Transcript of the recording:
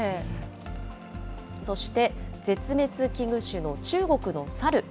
そして絶滅危惧種の中国のサル。